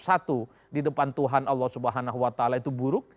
satu di depan tuhan allah subhanahu wa ta'ala itu buruk